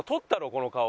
この顔。